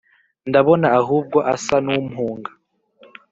ndabona ahubwo asa n’umpunga